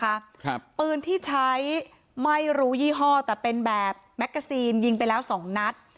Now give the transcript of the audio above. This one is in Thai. ครับปืนที่ใช้ไม่รู้ยี่ห้อแต่เป็นแบบแมกกาซีนยิงไปแล้วสองนัด